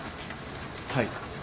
はい。